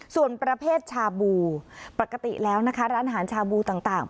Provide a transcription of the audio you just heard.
ส่วนประเภทชาบูปกติแล้วนะคะร้านอาหารชาบูต่าง